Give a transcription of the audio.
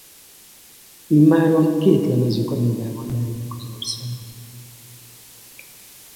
Immáron két lemezük anyagával járják az országot.